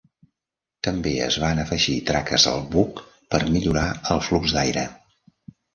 També es van afegir traques al buc per millorar el flux d'aire.